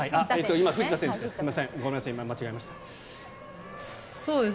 今、藤田選手です。